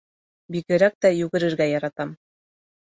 Бигерәк тә йүгерергә яратам.